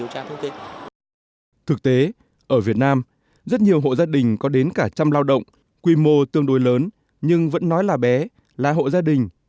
rất nhiều hộ gia đình có đến cả trăm lao động quy mô tương đối lớn nhưng vẫn nói là bé là hộ gia đình